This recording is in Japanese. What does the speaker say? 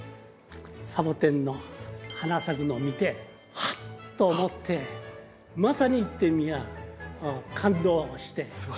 サボテンの花咲くのを見てハッと思ってまさに言ってみりゃ感動して。